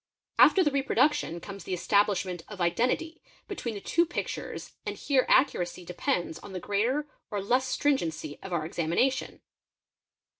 After the reproduction comes the establishment of identity between the two pictures and here accuracy depends on the greater or less strin q r ency of our examination.